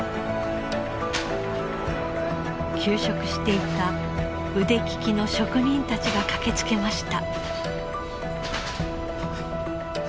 休職していた腕利きの職人たちが駆けつけました。